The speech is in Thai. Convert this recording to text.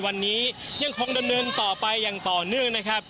ผู้สื่อข่าวชนะทีวีจากฟิวเจอร์พาร์ครังสิตเลยนะคะ